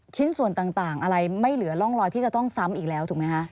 ชิ้นส่วนต่างอะไรไม่เหลือร่องรอยที่จะต้องซ้ำอีกแล้วถูกไหมคะ